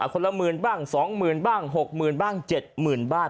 เอะคนละ๑๐๐๐๐๐บ้าง๒๐๐๐๐๐บ้าง๖๐๐๐๐บ้าง๗๐๐๐๐บาท